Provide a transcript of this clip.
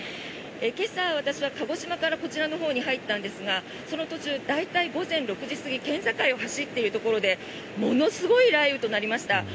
今朝、私は鹿児島からこちらのほうに入ったんですがその途中、大体午前６時過ぎ県境を走っているところでものすごい雷雨となりました。